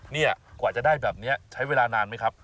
นี่กว่าจะได้แบบนี้ใช้เวลานานไหมครับ